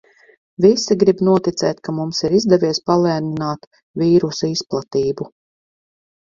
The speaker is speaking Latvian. Visi grib noticēt, ka mums ir izdevies palēnināt vīrusa izplatību.